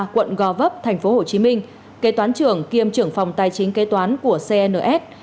quận gò vấp tp hcm kế toán trưởng kiêm trưởng phòng tài chính kế toán của cns